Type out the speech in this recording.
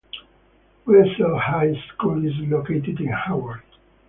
West Elk High School is located in Howard.